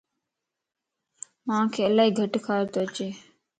مانک الائي گٽ کارتواچي